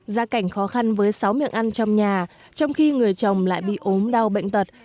gia cảnh khó khăn với sáu miệng ăn trong nhà trong khi người chồng lại bị ốm đau bệnh tật